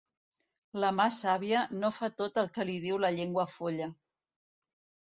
La mà sàvia no fa tot el que diu la llengua folla.